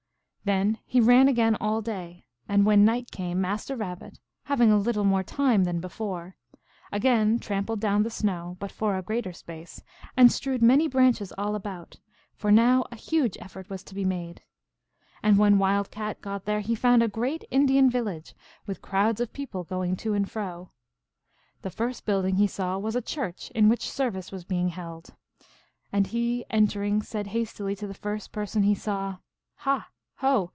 Then he ran again all day. And when night came, Master Rabbit, having a little more time than before, again trampled down the snow, but for a greater space, and strewed many branches all about, for now a huge effort was to be made. And when Wild Cat got there he found a great Indian village, with crowds of people going to and fro. The first building he saw was a church, in which service was being held. And he, en tering, said hastily to the first person he saw, " Ha ! ho